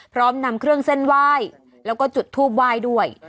พร้อมนำเครื่องเส้นไหว้แล้วก็จุดทูบไหว้ด้วย